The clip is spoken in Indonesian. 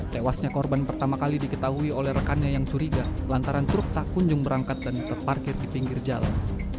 tewasnya korban pertama kali diketahui oleh rekannya yang curiga lantaran truk tak kunjung berangkat dan terparkir di pinggir jalan